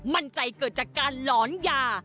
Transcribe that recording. มั่นใจเกิดจากการหลอนยา